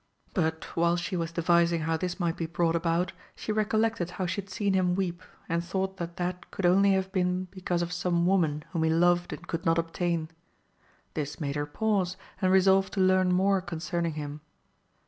But while she was devising how this might be brought about, she recollected how she had seen him weep, and thought tliat that could only have ^been because of some woman whom he loved and could not obtain. This made her pause and resolve to learn more concerning him.